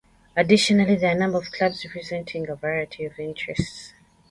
Additionally, there are a number of clubs representing a variety of interests.